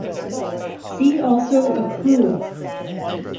See also accrual.